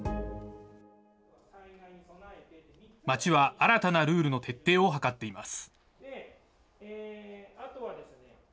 町は新たなルールの徹底を図っています。